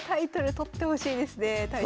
取ってほしいですね。